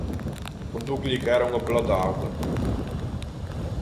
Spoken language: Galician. Contou que lle caera unha pelota á auga.